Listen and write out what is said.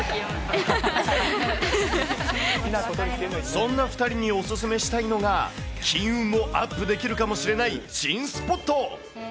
そんな２人にお勧めしたいのが、金運もアップできるかもしれない新スポット。